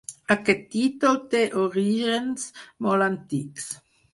Aquest títol té orígens molt antics.